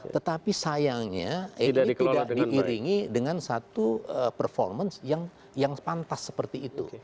tetapi sayangnya ini tidak diiringi dengan satu performance yang pantas seperti itu